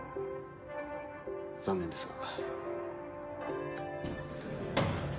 残念ですが。